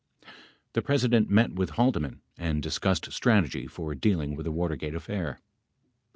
the President met with Haldeman and discussed strategy for dealing with the Watergate affair.